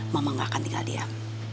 mama gak akan tinggal diam